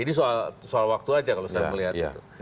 ini soal waktu aja kalau saya melihat itu